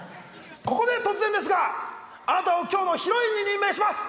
ここで突然ですがあなたを今日のヒロインに任命します！